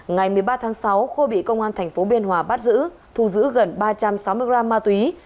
ngày một mươi ba tháng sáu khôi bị công an thành phố biên hòa bắt giữ thu giữ gần ba trăm sáu mươi gram ma túy